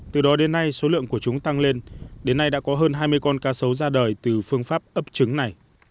từ đó đến nay số lượng của chúng tăng lên đến nay đã có hơn hai mươi con cá sấu ra đời từ phương pháp ấp trứng này